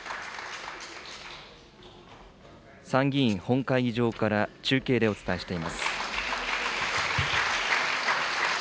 参議院本会議場から中継でお伝えしています。